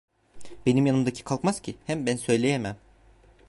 Benim yanımdaki kalkmaz ki; hem ben söyleyemem.